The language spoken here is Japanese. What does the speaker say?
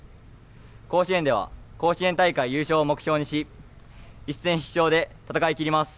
甲子園では甲子園大会優勝を目標にし一戦必勝で戦いきります。